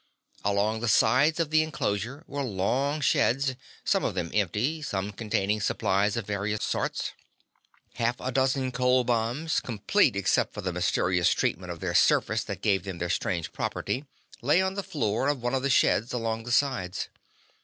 Along the sides of the inclosure were long sheds, some of them empty, some containing supplies of various sorts. Half a dozen cold bombs, complete except for the mysterious treatment of their surface that gave them their strange property, lay on the floor of one of the sheds along the sides.